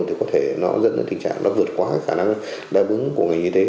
thì có thể nó dẫn đến tình trạng nó vượt quá khả năng đa bứng của ngành như thế